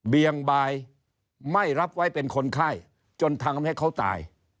เบียงบายไม่รับไว้เป็นคนไข้จนทำให้เขาตาย